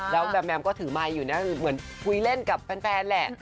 แล้วแบบแมมก็ถือไมค์อยู่นะเหมือนคุยเล่นกับแฟนแหละ